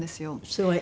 すごい。